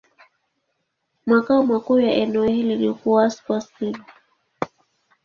Makao makuu ya eneo hilo ni Kouassi-Kouassikro.